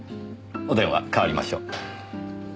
お電話代わりましょう。